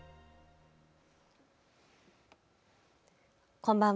こんばんは。